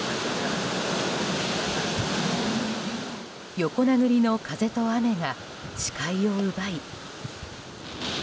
横殴りの風と雨が視界を奪い。